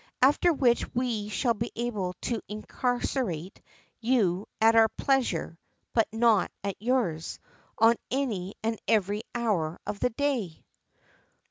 After which we shall be able to incarcerate you at our pleasure (but not at yours) on any and every hour of the day."